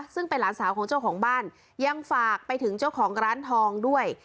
ซึ่งเป็นหลานสาวของเจ้าของบ้านยังฝากไปถึงเจ้าของร้านทองด้วย